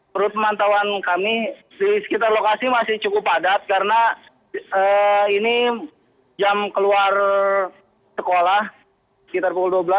menurut pemantauan kami di sekitar lokasi masih cukup padat karena ini jam keluar sekolah sekitar pukul dua belas